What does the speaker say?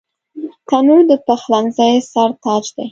تنور د پخلنځي سر تاج دی